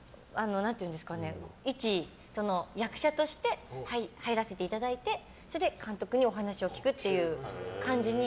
なので、一役者として入らせていただいてそれで、監督にお話を聞くという感じに。